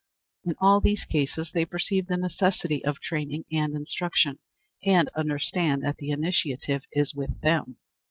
In all these cases they perceive the necessity of training and instruction, and understand that the initiative is with them.